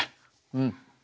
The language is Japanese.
うん。